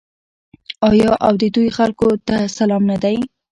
آیا او د دوی خلکو ته سلام نه دی؟